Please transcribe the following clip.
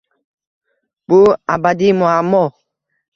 Bu — abadiy muammo…